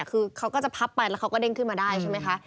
คือเขาก็จะพับไปแล้วเขาก็เด้งขึ้นมาได้ใช่ไหมคะ